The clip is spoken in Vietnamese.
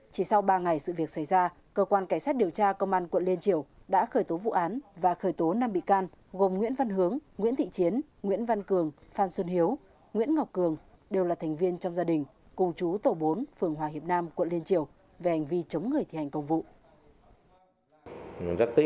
chỉ sau ba ngày sự việc xảy ra cơ quan cảnh sát điều tra công an quận liên triều đã khởi tố vụ án và khởi tố năm bị can gồm nguyễn văn hướng nguyễn thị chiến nguyễn văn cường phan xuân hiếu nguyễn ngọc cường đều là thành viên trong gia đình cùng chú tổ bốn phường hòa hiệp nam quận liên triều về hành vi chống người thi hành công vụ